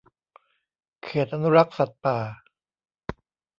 เขตอนุรักษ์สัตว์ป่า